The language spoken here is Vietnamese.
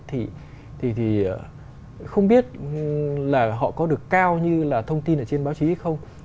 thì không biết là họ có được cao như là thông tin ở trên báo chí hay không